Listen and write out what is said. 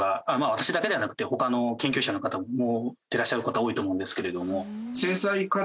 私だけではなくて他の研究者の方も思ってらっしゃる方多いと思うんですけれども。